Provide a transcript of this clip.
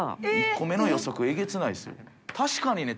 １個目の予測、えげつないですね。